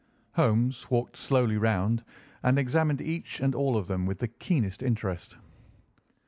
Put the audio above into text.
Holmes walked slowly round and examined each and all of them with the keenest interest.